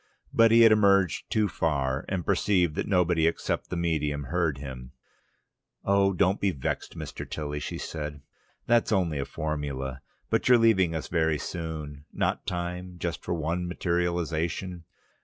But he had emerged too far, and perceived that nobody except the medium heard him. "Oh, don't be vexed, Mr. Tilly," she said. "That's only a formula. But you're leaving us very soon. Not time for just one materialisation?